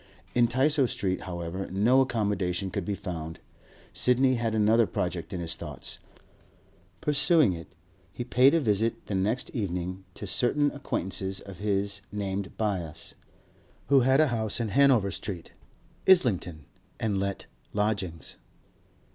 In Tysoe Street, however, no accommodation could be found. Sidney had another project in his thoughts; pursuing it, he paid a visit the next evening to certain acquaintances of his named Byass, who had a house in Hanover Street, Islington, and let lodgings.